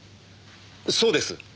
そうです。